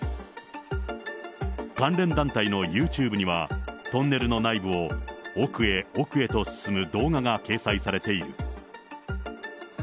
関連団体のユーチューブには、トンネルの内部を奥へ奥へと進む動画が掲載されている。